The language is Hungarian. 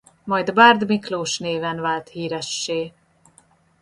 Majd Bárd Miklós néven vált híressé.